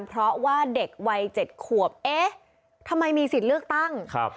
เพราะว่าเด็กวัยเจ็ดขวบเอ๊ะทำไมมีสิทธิ์เลือกตั้งครับ